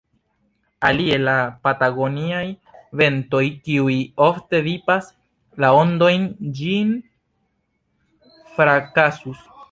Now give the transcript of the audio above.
Alie la patagoniaj ventoj, kiuj ofte vipas la ondojn, ĝin frakasus.